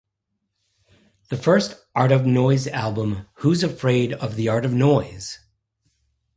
The first Art of Noise album, Who's Afraid of the Art of Noise?